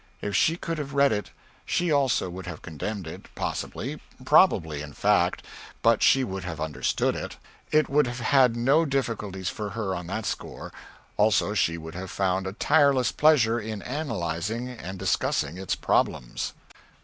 If she could have read it, she also would have condemned it, possibly, probably, in fact but she would have understood it. It would have had no difficulties for her on that score; also she would have found a tireless pleasure in analyzing and discussing its problems.